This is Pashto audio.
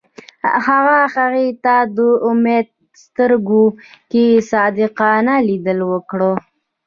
هغه هغې ته د امید سترګو کې صادقانه لید وکړ.